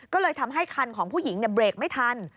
ก็เลยทำให้คันของผู้หญิงเบรกไม่ทัน